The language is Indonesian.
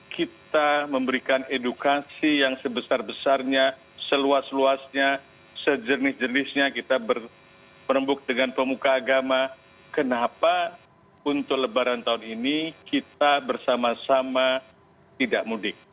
kita memberikan edukasi yang sebesar besarnya seluas luasnya sejenis jenisnya kita berembuk dengan pemuka agama kenapa untuk lebaran tahun ini kita bersama sama tidak mudik